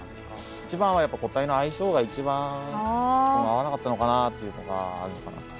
一番は個体の相性が一番合わなかったのかなっていうのがあるのかなと。